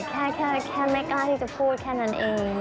แค่ไม่กล้าที่จะพูดแค่นั้นเอง